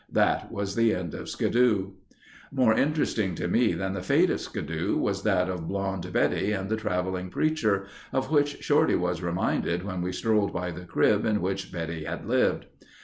That was the end of Skidoo. More interesting to me than the fate of Skidoo was that of Blonde Betty and the traveling preacher, of which Shorty was reminded when we strolled by the crib in which Betty had lived.